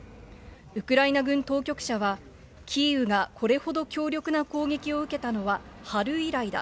ウクライナ軍当局者は、キーウがこれほど強力な攻撃を受けたのは春以来だ。